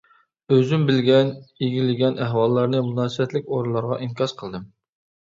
ئۆزۈم بىلگەن، ئىگىلىگەن ئەھۋاللارنى مۇناسىۋەتلىك ئورۇنلارغا ئىنكاس قىلدىم.